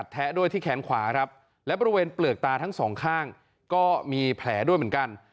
แทะด้วยที่แขนขวาครับและบริเวณเปลือกตาทั้งสองข้างก็มีแผลด้วยเหมือนกัน